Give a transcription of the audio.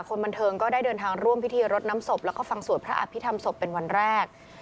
คนบันเทิงก็ได้เดินทางร่วมพิธีรดน้ำศพแล้วก็ฟังสวดพระอภิษฐรรมศพเป็นวันแรก